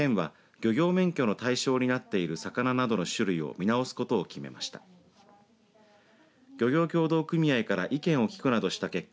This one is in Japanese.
漁業協同組合から意見を聞くなどした結果